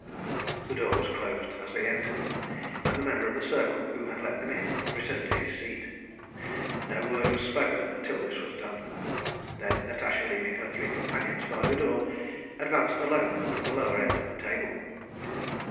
The door was closed as they entered, and the member of the Circle who had let them in returned to his seat. No word was spoken until this was done. Then Natasha, leaving her three companions by the door, advanced alone to the lower end of the table.